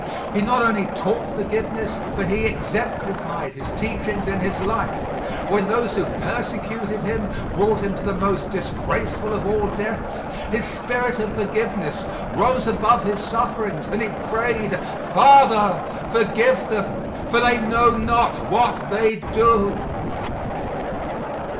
He not only taught forgiveness but He exemplified His teachings in His life. When those who persecuted Him brought Him to the most disgraceful of all deaths, His spirit of forgiveness rose above His sufferings and He prayed, "Father, forgive them, for they know not what they do!"